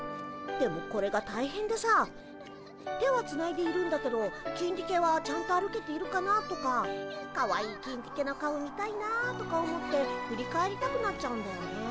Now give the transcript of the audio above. でもこれが大変でさ手はつないでいるんだけどキンディケはちゃんと歩けているかな？とかかわいいキンディケの顔見たいなとか思って振り返りたくなっちゃうんだよね。